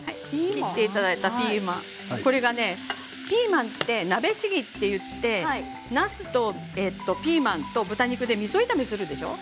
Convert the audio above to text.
切っていただいたピーマンピーマンは、なべしぎといってなすとピーマンと豚肉でみそ炒めをするでしょう。